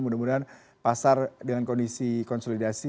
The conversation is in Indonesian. mudah mudahan pasar dengan kondisi konsolidasi